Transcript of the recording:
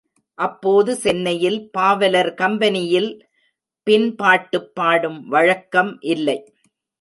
அப்போது சென்னையில் பாவலர் கம்பெனியில் பின் பாட்டுப் பாடும் வழக்கம் இல்லை.